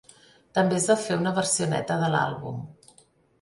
També es va fer una versió neta de l'àlbum.